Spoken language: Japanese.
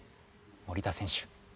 森田選手。